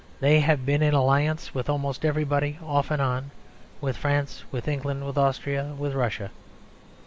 They have been in alliance with almost everybody off and on; with France, with England, with Austria, with Russia.